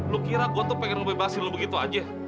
lo kira gue tuh pengen bebasin lo begitu aja